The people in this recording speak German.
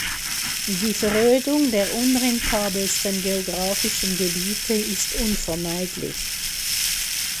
Die Verödung der unrentabelsten geografischen Gebiete ist unvermeidlich.